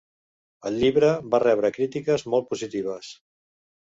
El llibre va rebre crítiques molt positives.